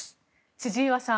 千々岩さん